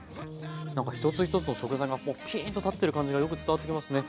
なんか一つ一つの食材がこうピーンと立ってる感じがよく伝わってきますね。